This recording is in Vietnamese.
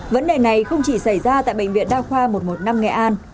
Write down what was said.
vấn đề này không chỉ xảy ra tại bệnh viện đa khoa một trăm một mươi năm nghệ an